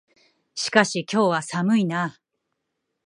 しかし、今日は寒いな。